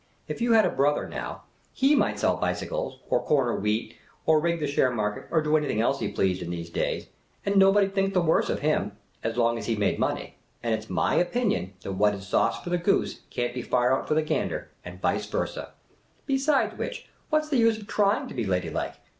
If you had a brother, now, he might sell bicycles, or corner wheat, or rig the share market, or do anything else he pleased, in these days, and nobody 'd think the worse of him — as long as he made money; and it 's my opinion that what is sauce for the goose can't be far out for the gander — and vice versa. Besides which, what 's the use of trying to be ladylike